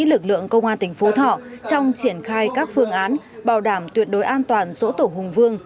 lực lượng công an tỉnh phú thọ trong triển khai các phương án bảo đảm tuyệt đối an toàn sổ tổ hùng vương